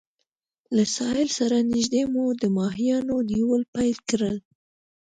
له ساحل سره نږدې مو د ماهیانو نیول پیل کړل.